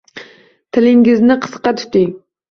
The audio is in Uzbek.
Tilingizni qisqa tuting